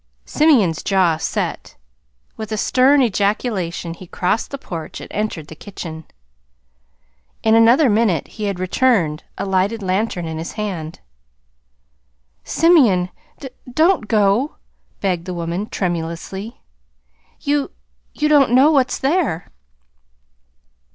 Simeon's jaw set. With a stern ejaculation he crossed the porch and entered the kitchen. In another minute he had returned, a lighted lantern in his hand. "Simeon, d don't go," begged the woman, tremulously. "You you don't know what's there."